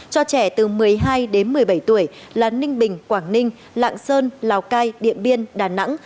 cho trẻ từ một mươi hai đến một mươi bảy tuổi là ninh bình quảng ninh lạng sơn lào cai điện biên đà nẵng